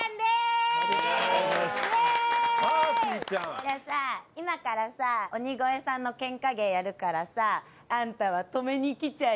じゃあさ今からさ鬼越さんのケンカ芸やるからさあんたは止めにきちゃいなよ。